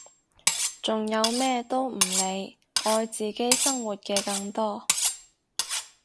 仲有咩都唔理愛自己生活嘅更多！